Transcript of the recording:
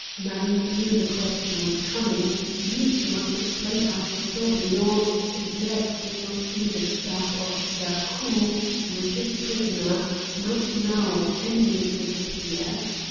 Marie knew the question was coming, knew she must explain how she saw Briand, and yet did not see the staff officer who, with his prisoner, might now at any instant appear.